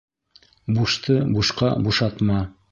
Бушты бушҡа бушатма.